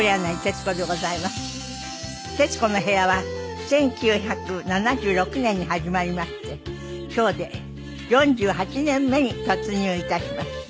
『徹子の部屋』は１９７６年に始まりまして今日で４８年目に突入致します。